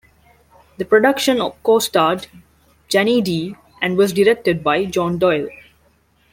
The production co-starred Janie Dee and was directed by John Doyle.